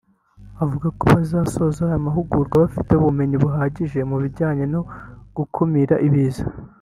avuga ko bazasoza aya mahugurwa bafite ubumenyi buhagije mubijyanye no gukumira Ibiza